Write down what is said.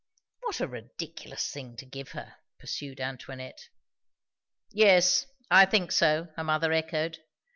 "What a ridiculous thing to give her!" pursued Antoinette. "Yes, I think so," her mother echoed.